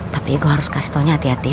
tapi gue harus kasih taunya hati hati